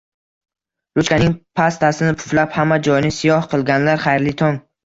Ruchkaning pastasini puflab hamma joyni siyoh qilganlar, xayrli tong!